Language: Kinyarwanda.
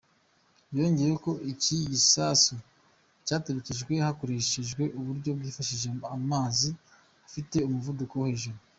Yongeyeho ko iki gisasu cyaturikijwe hakoreshwejwe "uburyo bwifashisha amazi afite umuvuduko wo hejuru".